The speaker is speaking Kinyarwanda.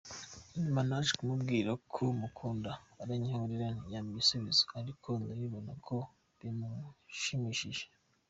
Nyuma naje kumubwira ko mukunda aranyihorera ntiyampa igisubizo ariko ndabibona ko bimushimishije.